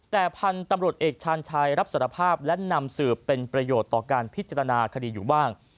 แต่พันธุ์ตำรวจเอกชาญชัยรับสารภาพและนำสืบเป็นประโยชน์ต่อการพิจารณาคดีอยู่บ้าง